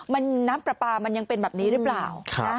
มันน้ำปลาปลามันยังเป็นแบบนี้หรือเปล่า